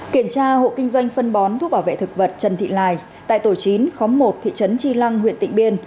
kiểm tra hộ kinh doanh phân bón thuốc bảo vệ thực vật trần thị lài tại tổ chín khóm một thị trấn tri lăng huyện tịnh biên